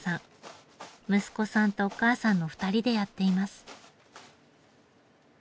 息子さんとお母さんの２人でやっています。